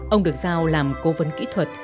ông được giao làm cố vấn kỹ thuật